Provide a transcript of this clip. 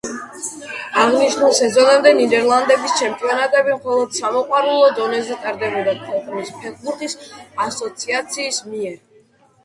აღნიშნულ სეზონამდე ნიდერლანდების ჩემპიონატები მხოლოდ სამოყვარულო დონეზე ტარდებოდა ქვეყნის ფეხბურთის ასოციაციის მიერ.